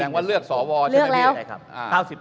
แสดงว่าเลือกสวทธิ์ใช่ไหมครับ